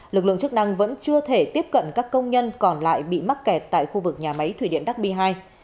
lực lượng chức năng vẫn chưa thể tiếp cận các công nhân còn lại bị mắc kẹt tại khu vực nhà máy thủy điện đắc bi ii